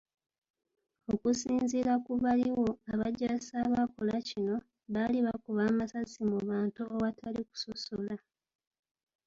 Okusinziira ku baaliwo, abajaasi abaakola kino, baali bakuba amasasi mu bantu awatali kusosola.